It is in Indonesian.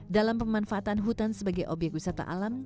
dalam pemanfaatan hutan sebagai obyek wisata alam